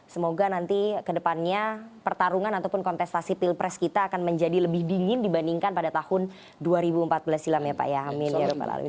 semoga nanti kedepannya pertarungan ataupun kontestasi pilpres kita akan menjadi lebih dingin dibandingkan pada tahun dua ribu empat belas silam ya pak ya amin ya